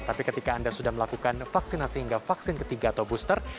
tapi ketika anda sudah melakukan vaksinasi hingga vaksin ketiga atau booster